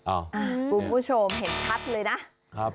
คุณผู้ชมเห็นชัดเลยนะครับ